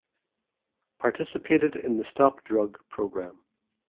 Participated in the Stop Drug Program.